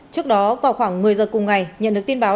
trước đó vào khoảng một mươi giờ cùng ngày nhận được tin báo